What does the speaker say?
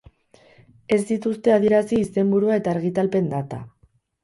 Ez dituzte adierazi izenburua eta argitalpen data.